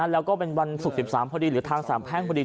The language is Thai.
แล้วก็เป็นวันศุกร์๑๓พอดีหรือทางสามแพ่งพอดี